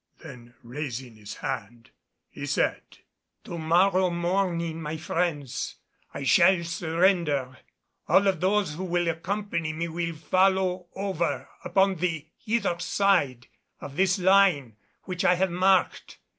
Then raising his hand, he said, [Illustration: "A LINE IN THE SAND!"] "To morrow morning, my friends, I shall surrender. All of those who will accompany me will follow over upon the hither side of this line which I have marked.